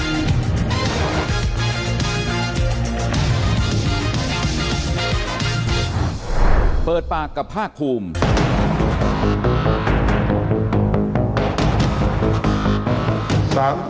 อาทิตย์วิทยาลัยศาสตร์ปฏิบัติศาสตร์